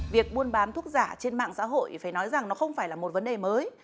việc buôn bán thuốc giả trên mạng xã hội phải nói rằng nó không phải là một vấn đề mới